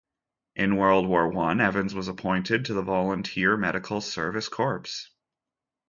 In World War One Evans was appointed to the Volunteer Medical Service Corps.